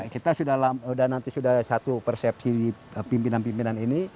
kita sudah nanti sudah satu persepsi pimpinan pimpinan ini